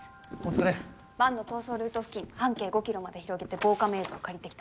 バンの逃走ルート付近半径５ｋｍまで広げて防カメ映像借りてきた。